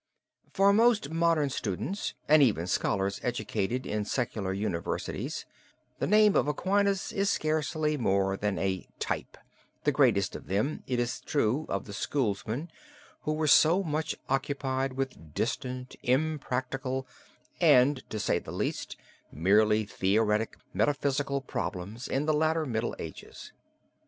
'" For most modern students and even scholars educated in secular universities the name of Aquinas is scarcely more than a type, the greatest of them, it is true, of the schoolmen who were so much occupied with distant, impractical and, to say the least, merely theoretic metaphysical problems, in the later Middle Ages.